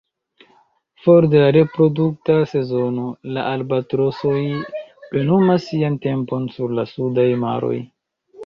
For de la reprodukta sezono, la albatrosoj plenumas sian tempon sur la sudaj maroj.